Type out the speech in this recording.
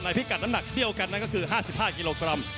พิกัดน้ำหนักเดียวกันนั่นก็คือ๕๕กิโลกรัม